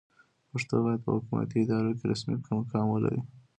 پښتو باید په حکومتي ادارو کې رسمي مقام ولري.